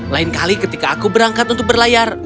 lain kali ketika aku berangkat untuk berlayar